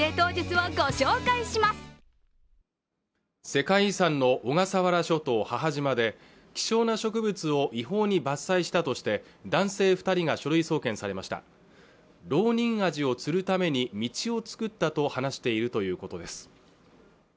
世界遺産の小笠原諸島母島で希少な植物を違法に伐採したとして男性二人が書類送検されましたロウニンアジを釣るために道を作ったと話しているということです